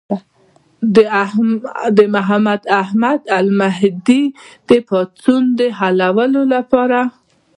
د محمد احمد المهدي د پاڅون د حلولو لپاره.